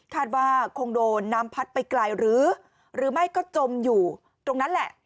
ว่าคงโดนน้ำพัดไปไกลหรือหรือไม่ก็จมอยู่ตรงนั้นแหละ